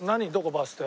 バス停。